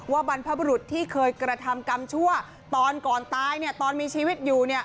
บรรพบรุษที่เคยกระทำกรรมชั่วตอนก่อนตายตอนมีชีวิตอยู่